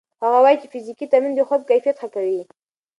هغه وايي چې فزیکي تمرین د خوب کیفیت ښه کوي.